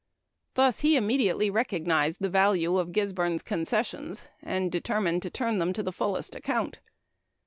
Thus, he immediately recognized the value of Gisborne's concessions, and determined to turn them to the fullest account.